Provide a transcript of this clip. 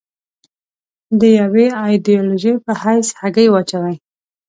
د یوې ایدیالوژۍ په حیث هګۍ واچوي.